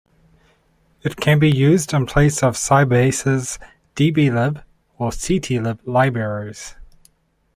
It can be used in place of Sybase's db-lib or ct-lib libraries.